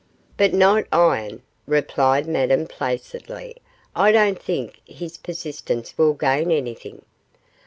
'But not iron,' replied Madame, placidly; 'I don't think his persistence will gain anything.